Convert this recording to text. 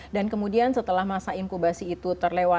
dan kemudian setelah masa inkubasi itu terlewat